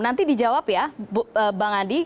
nanti dijawab ya bang andi